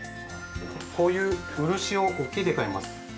◆こういう漆をおけで買います。